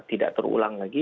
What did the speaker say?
agar tidak terulang lagi